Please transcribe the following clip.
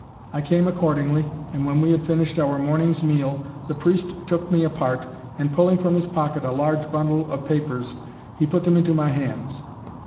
I came accordingly, and when we had finished our morning's meal, the priest took me apart, and pulling from his pocket a large bundle of papers, he put them into my hands.